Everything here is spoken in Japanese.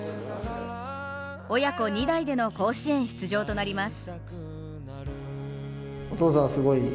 親子２代での甲子園出場となります。